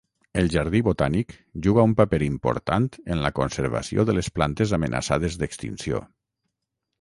El jardí botànic juga un paper important en la conservació de les plantes amenaçades d'extinció.